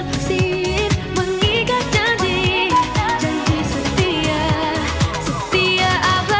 terima kasih atas perhatian saya